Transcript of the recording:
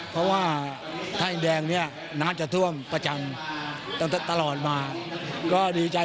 เพราะว่าถ้าอย่างแดงเนี่ยน้ำจะท่วมประจำตลอดมา